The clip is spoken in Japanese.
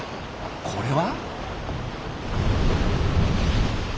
これは？